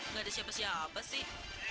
nggak ada siapa siapa sih